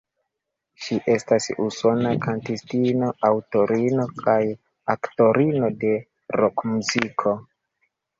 Ŝi estas usona kantistino, aŭtorino kaj aktorino de rokmuziko.